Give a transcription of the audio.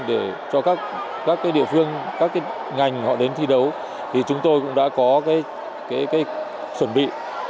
để cho các địa phương các ngành họ đến thi đấu thì chúng tôi cũng đã có cái chuẩn bị